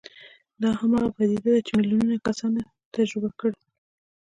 دا هماغه پدیده ده چې میلیونونه کسانو تجربه کړې